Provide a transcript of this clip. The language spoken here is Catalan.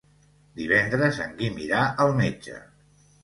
Divendres en Guim irà al metge.